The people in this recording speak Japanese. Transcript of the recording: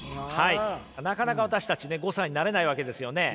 なかなか私たちね５歳になれないわけですよね。